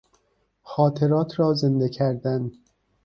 خاطرات را زنده کردن